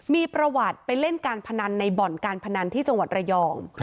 มีประวัติไปเล่นการพนันในบ่อนการพนันที่จังหวัดระยอง